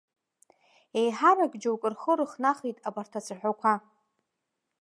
Еиҳарак џьоук рхы рыхнахит абарҭ ацәаҳәақәа.